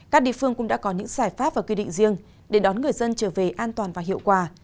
các địa phương cũng đã có những giải pháp và quy định riêng để đón người dân trở về an toàn và hiệu quả